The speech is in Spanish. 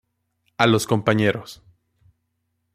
A los compañeros.